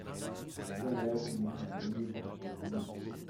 Die Yoga-Lehrerin nimmt eine unmöglich aussehende Pose ein.